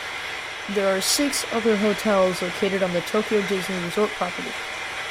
There are six other hotels located on the Tokyo Disney Resort property.